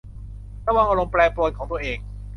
ระวังอารมณ์แปรปรวนของตัวเอง